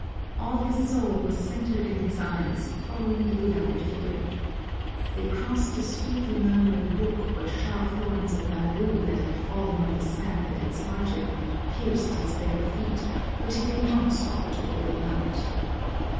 All his soul was centered in his eyes, following the beloved figure. They crossed the sweetly murmuring brook where sharp thorns of bamboo that had fallen on the sand at its margin pierced his bare feet, but he did not stop to pull them out.